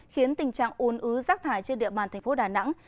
khiến tình trạng un ứ rác thải trên địa bàn thành phố đà nẵng